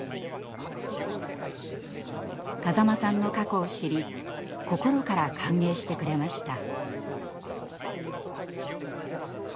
風間さんの過去を知り心から歓迎してくれました。